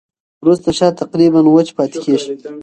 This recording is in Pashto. وروسته شات تقریباً وچ پاتې کېږي.